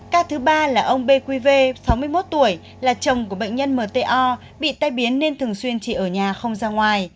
ca thứ ba là ông b q v sáu mươi một tuổi là chồng của bệnh nhân m t o bị tai biến nên thường xuyên chị ở nhà không ra ngoài